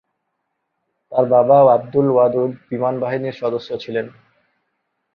তার বাবা আব্দুল ওয়াদুদ বিমানবাহিনীর সদস্য ছিলেন।